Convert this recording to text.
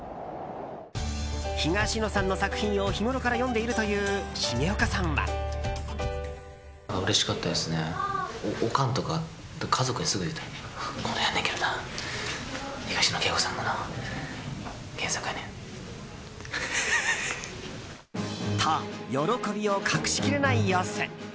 東野さんの作品を日ごろから読んでいるという重岡さんは。と、喜びを隠しきれない様子。